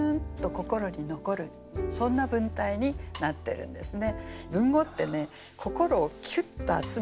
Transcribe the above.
そんな文体になってるんですね。